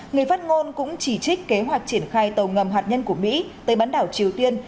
người phát ngôn cũng chỉ trích kế hoạch triển khai tàu ngầm hạt nhân của mỹ tới bán đảo triều tiên